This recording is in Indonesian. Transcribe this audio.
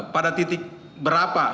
pada titik berapa